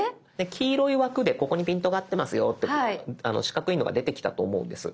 黄色い枠で「ここにピントが合ってますよ」って四角いのが出てきたと思うんです。